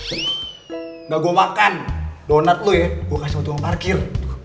enggak gua makan donat lu ya gua kasih ke tuang parkir